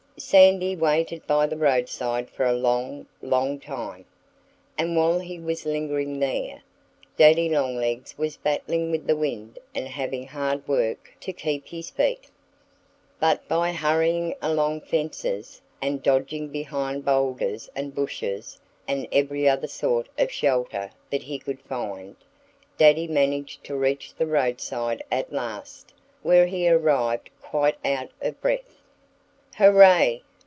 Sandy waited by the roadside for a long, long time. And while he was lingering there, Daddy Longlegs was battling with the wind and having hard work to keep his feet. But by hurrying along fences, and dodging behind bowlders and bushes and every other sort of shelter that he could find, Daddy managed to reach the roadside at last, where he arrived quite out of breath. "Hurrah!"